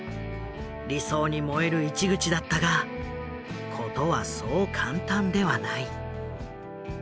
理想に燃える市口だったが事はそう簡単ではない。